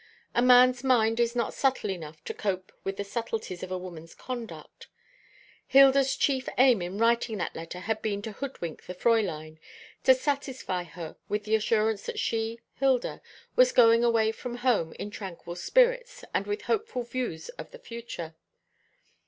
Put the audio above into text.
A man's mind is not subtle enough to cope with the subtleties of a woman's conduct. Hilda's chief aim in writing that letter had been to hoodwink the Fräulein, to satisfy her with the assurance that she, Hilda, was going away from home in tranquil spirits and with hopeful views of the future.